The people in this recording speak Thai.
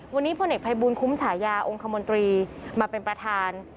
วันนี้พลเอกภัยบูลคุ้มฉายาองค์คมนตรีมาเป็นประธาน